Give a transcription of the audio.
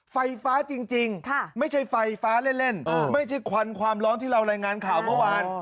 ไฟฟ้าจริงไม่ใช่ไฟฟ้าเล่นไม่ใช่ควันความร้อนที่เรารายงานข่าวเมื่อวาน